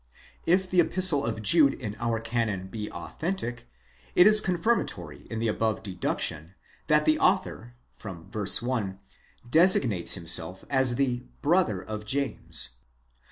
If the Epistle of Jude in our canon be authentic, it is confirmatory of the above deduction, that the author (verse 1) designates himself as the ἀδελφὸς Ἰακώβου (brother of James).